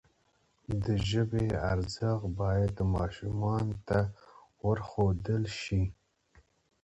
د ژبي ارزښت باید ماشومانو ته وروښودل سي.